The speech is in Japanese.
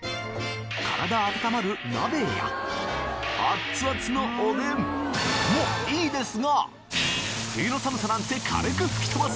体温まる鍋やアッツアツのおでん冬の寒さなんて軽く吹き飛ばす！